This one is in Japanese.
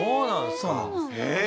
そうなんです。